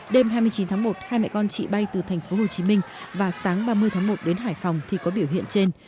đêm hai mươi chín tháng một hai mẹ con chị bay từ tp hcm và sáng ba mươi tháng một đến hải phòng thì có biểu hiện trên